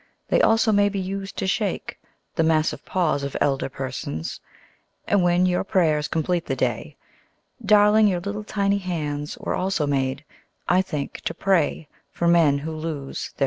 They also may be used to shake The Massive Paws of Elder Persons. And when your prayers complete the day, Darling, your little tiny hands Were also made, I think, to pray For men that lose their fairylands.